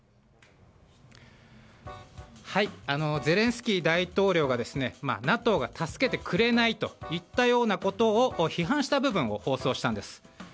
ゼレンスキー大統領がＮＡＴＯが助けてくれないといったようなことを批判した部分を放送したんです。